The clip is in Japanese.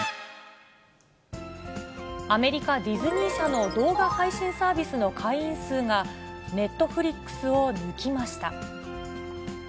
アメリカ、ディズニー社の動画配信サービスの会員数が、ネットフリックスを抜きました。